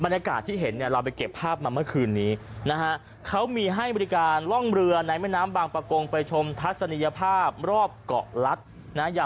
บรรยากาศที่เห็นเนี่ยเราไปเก็บภาพมาเมื่อคืนนี้นะฮะเขามีให้บริการล่องเรือในแม่น้ำบางประกงไปชมทัศนียภาพรอบเกาะลัดนะฮะ